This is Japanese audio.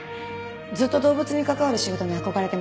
ずっと動物に関わる仕事に憧れてました。